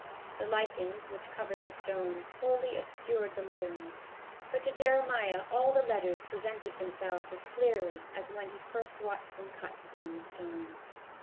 The lichens which covered the stones wholly obscured the lettering, but to Jeremiah all the letters presented themselves as clearly as when he first watched them cut upon the stones.